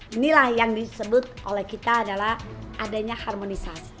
inilah yang disebut oleh kita adalah adanya harmonisasi